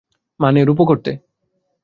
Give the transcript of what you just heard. মানে, রূপক অর্থে।